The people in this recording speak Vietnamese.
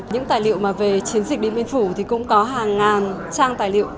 những tài liệu về chiến dịch điện biên phủ cũng có hàng ngàn trang tài liệu